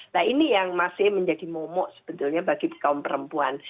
nah ini yang masih menjadi momok sebetulnya bagi kaum perempuan